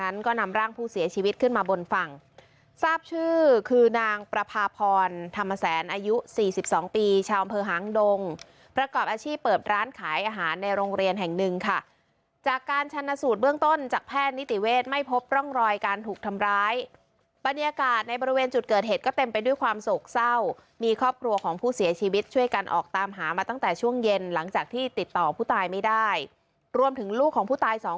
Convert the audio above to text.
อายุ๔๒ปีชาวอำเภอหางดงประกอบอาชีพเปิบร้านขายอาหารในโรงเรียนแห่งหนึ่งค่ะจากการชันสูตรเบื้องต้นจากแพทย์นิติเวทไม่พบร่องรอยการถูกทำร้ายบรรยากาศในบริเวณจุดเกิดเหตุก็เต็มไปด้วยความโศกเศร้ามีครอบครัวของผู้เสียชีวิตช่วยกันออกตามหามาตั้งแต่ช่วงเย็นหลังจากที่ติดต่อผ